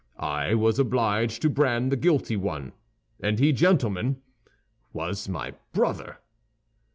I was obliged to brand the guilty one; and he, gentlemen, was my brother!